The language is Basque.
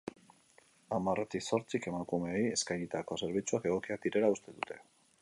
Hamarretik zortzik emakumeei eskainitako zerbitzuak egokiak direla uste dute.